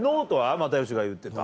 又吉が言ってた。